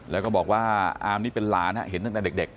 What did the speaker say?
แล้วก็บอกว่าอามนี่เป็นหลานเห็นตั้งแต่เด็ก